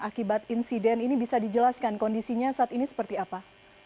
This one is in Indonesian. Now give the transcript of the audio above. akibat insiden ini bisa dijelaskan kondisinya saat ini seperti apa